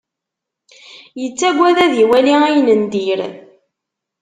Yettagad ad iwali ayen n dir.